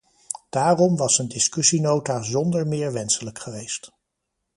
Daarom was een discussienota zonder meer wenselijk geweest.